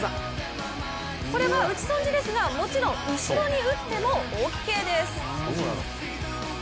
これは打ち損じですがもちろん、後ろに打ってもオッケーです。